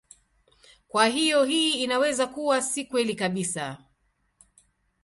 Kwa hiyo hii inaweza kuwa si kweli kabisa.